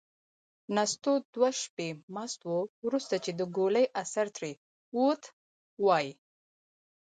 نستوه دوه شپې مست و. وروسته چې د ګولۍ اثر ترې ووت، وايي: